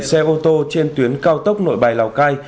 xe ô tô trên tuyến cao tốc nội bài lào cai